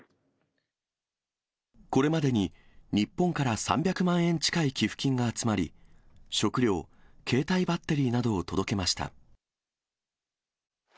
これまでに、日本から３００万円近い寄付金が集まり、食料、携帯バッテリーなどを届けました。